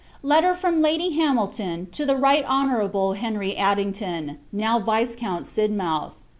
Letter from Lady Hamilton TO THE RIGHT HONOURABLE HENRY ADDINGTON, NOW VISCOUNT SIDMOUTH.